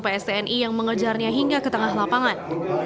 pstni yang mengejarnya hingga ke tengah lapangan